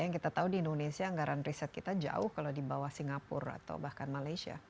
yang kita tahu di indonesia anggaran riset kita jauh kalau di bawah singapura atau bahkan malaysia